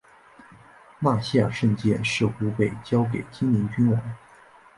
纳希尔圣剑似乎被交给精灵君王。